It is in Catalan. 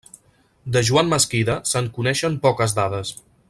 De Joan Mesquida se'n coneixen poques dades.